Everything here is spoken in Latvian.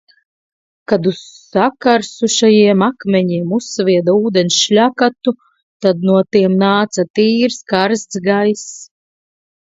Kad uz sakarsušajiem akmeņiem uzsvieda ūdens šļakatu, tad no tiem nāca tīrs karsts gaiss.